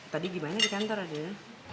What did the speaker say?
tadi gimana di kantor adanya